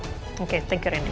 oke terima kasih randy